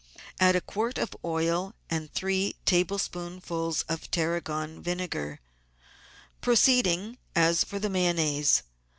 Add a quart of oil and three tablespoonfuls of tarragon vinegar, proceeding as for the Mayonnaise.